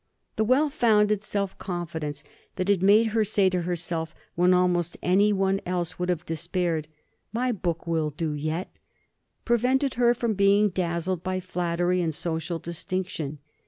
The well founded self confidence that had made her say to herself, when almost any one else would have despaired, "My book will do yet," prevented her from being dazzled by flattery and social distinction.